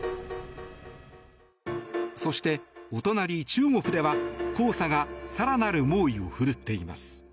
そしてお隣、中国では黄砂が更なる猛威を振るっています。